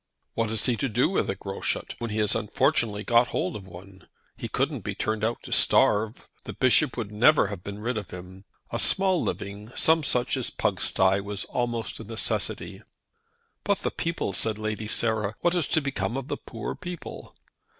"What is he to do with a Groschut, when he has unfortunately got hold of one? He couldn't be turned out to starve. The Bishop would never have been rid of him. A small living some such thing as Pugsty was almost a necessity." "But the people," said Lady Sarah. "What is to become of the poor people?"